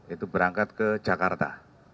itu berangkat ke jakarta